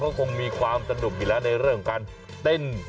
ก็คงมีความสนุกอยู่แล้วในเรื่องการเต้น